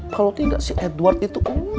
kalau tidak si edward itu